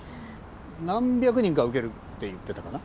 何百人か受けるって言ってたかな。